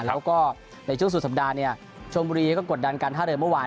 แล้วก็ในช่วงสุดสัปดาห์เนี่ยชมบุรีก็กดดันการท่าเรือเมื่อวาน